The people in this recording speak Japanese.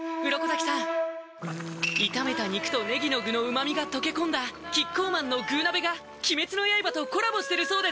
鱗滝さん炒めた肉とねぎの具の旨みが溶け込んだキッコーマンの「具鍋」が鬼滅の刃とコラボしてるそうです